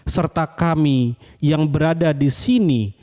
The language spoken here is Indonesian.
serta kami yang berada di sini